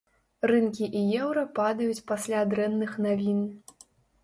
Рынкі і еўра падаюць пасля дрэнных навін.